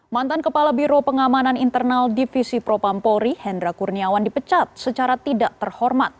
mantan kepala biro pengamanan internal divisi propampori hendra kurniawan dipecat secara tidak terhormat